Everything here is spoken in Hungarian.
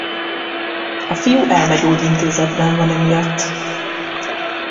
A fiú elmegyógyintézetben van emiatt.